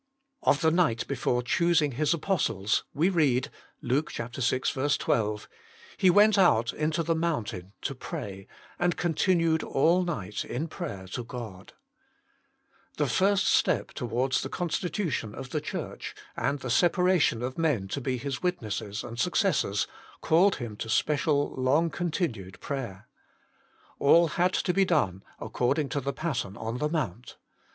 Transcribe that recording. Of the night before choosing His apostles we read (Luke vi. 12), "He went out into the moun tain to pray, and continued all night in prayer to God" The first step towards the constitution of the Church, and the separation of men to be His witnesses and successors, called Him to special long continued prayer. All had to be done according to the pattern on the mount.